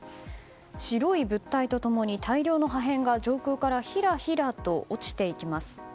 白い物体と共に大量の破片が、上空からひらひらと落ちていきます。